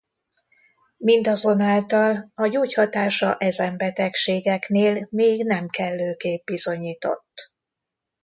Mindazonáltal a gyógyhatása ezen betegségeknél még nem kellőképp bizonyított.